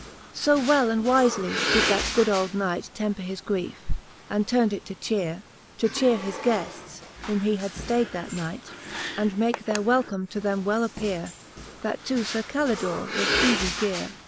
14 1 VI. So well and wifely did that good old Knight Temper his griefe, and turned it to cheare, To cheare his guefts, whom he had ftayd that night, And make their welcom to them well appeare: That to Sir Calidore was ealie geare.